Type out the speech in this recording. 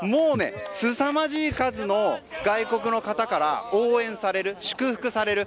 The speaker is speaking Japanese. すさまじい数の外国の方から応援される祝福される